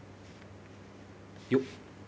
よっ。